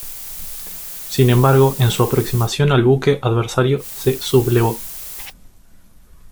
Sin embargo, en su aproximación al buque adversario se sublevó.